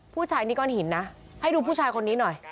ผู้ชายนี่ก้อนหินนะให้ดูผู้ชายคนนี้หน่อย